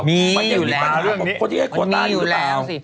มีอยู่แล้วมันมีอยู่แล้ว